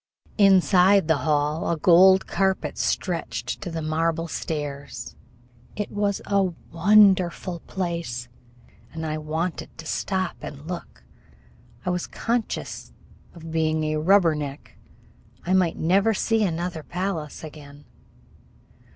Inside the hall a gold carpet stretched to the marble stairs. It was a wonderful place, and I wanted to stop and look. I was conscious of being a "rubber neck." I might never see another palace again.